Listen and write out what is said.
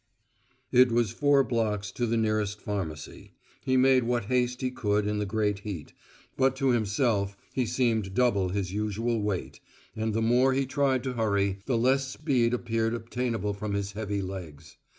It was four blocks to the nearest pharmacy; he made what haste he could in the great heat, but to himself he seemed double his usual weight; and the more he tried to hurry, the less speed appeared obtainable from his heavy legs.